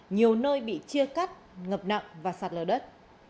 nhiều nơi bị chia cắt ngập nặng và sạt lở đất